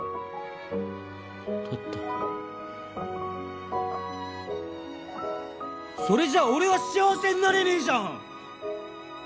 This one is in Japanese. だってそれじゃあ俺は幸せになれねぇじゃん！